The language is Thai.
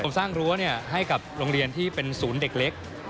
ผมสร้างรั้วให้กับโรงเรียนที่เป็นศูนย์เด็กเล็ก